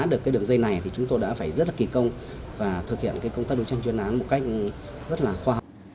được cái đường dây này thì chúng tôi đã phải rất là kỳ công và thực hiện công tác đấu tranh chuyên án một cách rất là khoa học